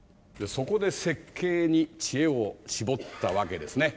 そこで設計に知恵を絞ったわけですね。